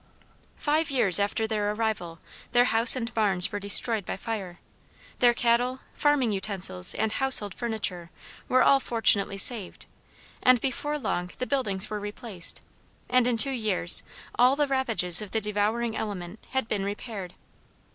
Five years after their arrival their house and barns were destroyed by fire. Their cattle, farming utensils, and household furniture were all fortunately saved, and before long the buildings were replaced, and in two years all the ravages of the devouring element had been repaired.